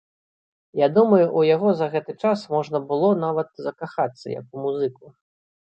Я думаю, у яго за гэты час можна было нават закахацца як у музыку.